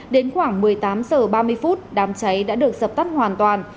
đến khoảng một mươi tám h ba mươi đám cháy đã được dập tắt hoàn toàn